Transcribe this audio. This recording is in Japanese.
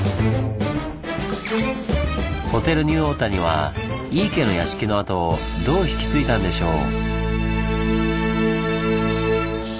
ホテルニューオータニは井伊家の屋敷の跡をどう引き継いだんでしょう？